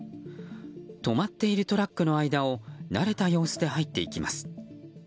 止まっているトラックの間を慣れた様子で入っていきます。